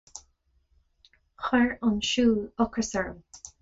Chuir an siúl ocras orm.